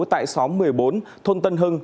tại xóm một mươi bốn thôn tân hưng